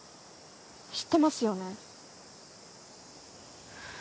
知ってますよね！？